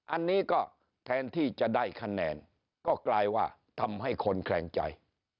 อันนี้ก็แทนที่จะได้คะแนนก็กลายว่าทำให้คนแคลงใจ